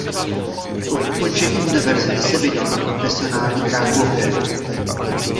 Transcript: Po ukončení univerzity se vydal na profesionální dráhu hokeje.